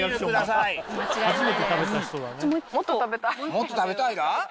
もっと食べたいら？